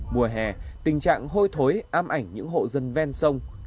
mùa hè tình trạng hôi thối ám ảnh những hộ dân ven sông